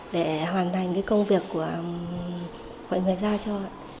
để hoàn thành cái công việc của người gia cho